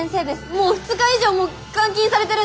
もう２日以上も監禁されてるんです！